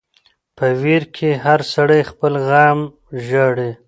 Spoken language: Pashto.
په ویر کی هر سړی خپل غم ژاړي .